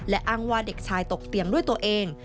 และอ้างว่าเด็กชายตกเตียงด้วยตัวเอง